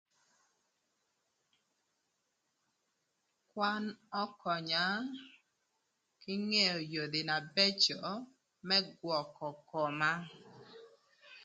Kwan ökönya kï ngeo yodhi na bëcö më gwökö koma.